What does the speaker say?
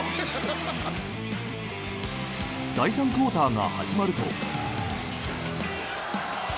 第３クオーターが始まると。